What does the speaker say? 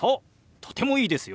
とてもいいですよ。